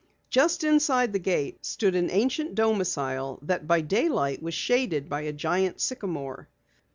Just inside the gate stood an ancient domicile that by daylight was shaded by a giant sycamore.